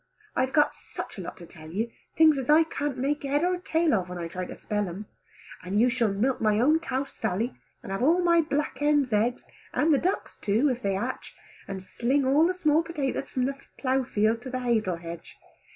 I have got such a lot to tell you, things as I can't make head or tail of when I try to spell them, and you shall milk my own cow Sally, and have all my black hen's eggs, and the ducks too if they hatch, and sling all the small potatoes from the plough field to the hazel hedge.